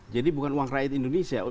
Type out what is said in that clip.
jadi bukan uang rakyat indonesia